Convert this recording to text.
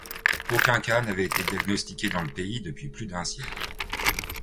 Aucun cas n'avait été diagnostiqué dans le pays depuis plus d'un siècle.